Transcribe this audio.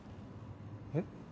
えっ？